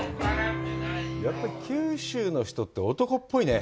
やっぱり九州の人って男っぽいね。